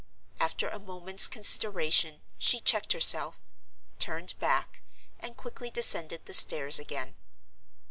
After a moment's consideration, she checked herself, turned back, and quickly descended the stairs again.